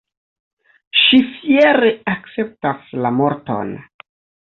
Ŝi fiere akceptas la morton.